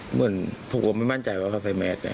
เหมือนทุกคนไม่มั่นใจว่าเขาใส่แมส